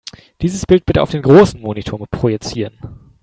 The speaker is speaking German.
Dieses Bild bitte auf den großen Monitor projizieren.